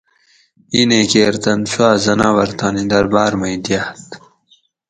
ایں نیں کیر تن سوا حٔناور تانی دربار مئ دیاۤت